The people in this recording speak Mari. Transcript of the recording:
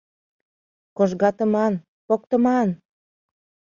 Кожгатыман, поктыман!